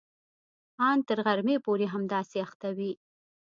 ان تر غرمې پورې همداسې اخته وي.